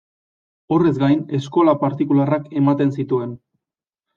Horrez gain, eskola partikularrak ematen zituen.